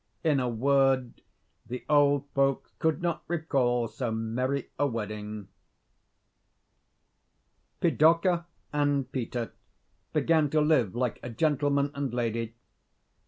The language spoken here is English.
In a word, the old folks could not recall so merry a wedding. Pidorka and Peter began to live like a gentleman and lady.